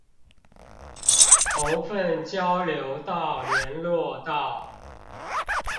頭份交流道聯絡道